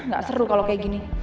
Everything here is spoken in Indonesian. nggak seru kalau kayak gini